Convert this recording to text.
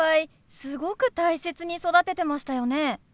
すごく大切に育ててましたよね。